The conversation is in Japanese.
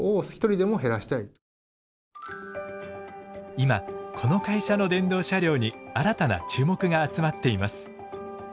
今この会社の電動車両に新たな注目が集まっています。